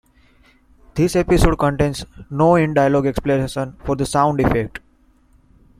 This episode contains no in-dialogue explanation for the sound effect.